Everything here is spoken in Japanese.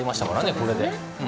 これで。